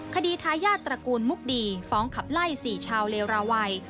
คดีทายาทตระกูลมุกดีฟ้องขับไล่๔ชาวเลราวัย